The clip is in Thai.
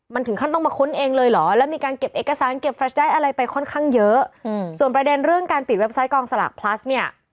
บอกเอาสลาก๗๐ใบเนี่ย